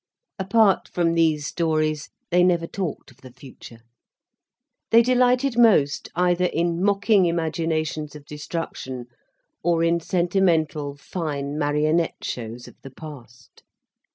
Apart from these stories, they never talked of the future. They delighted most either in mocking imaginations of destruction, or in sentimental, fine marionette shows of the past.